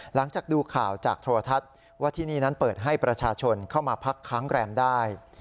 หลังจากดูข่าวจากโทรทัศน์ว่าที่นี่นั้นเปิดให้ประชาชนเข้ามาพักค้างแรมได้